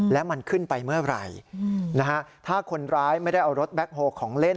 และมันขึ้นไปเมื่อไหร่นะฮะถ้าคนร้ายไม่ได้เอารถแบ็คโฮลของเล่น